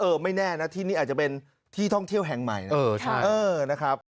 ไม่แน่นะที่นี่อาจจะเป็นที่ท่องเที่ยวแห่งใหม่นะนะครับ